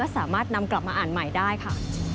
สามารถนำกลับมาอ่านใหม่ได้ค่ะ